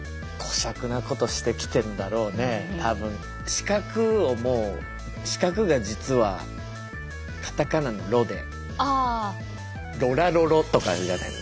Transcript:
四角を四角が実はカタカナの「ロ」で「ロラロロ」とかじゃないの？